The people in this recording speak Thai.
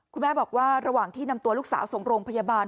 คุณแม่บอกว่าระหว่างที่นำตัวลูกสาวส่งโรงพยาบาล